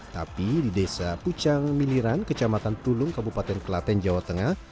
tapi di desa pucang miliran kecamatan tulung kabupaten kelaten jawa tengah